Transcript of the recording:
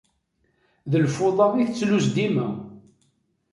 D lmuḍa i tettlus dima.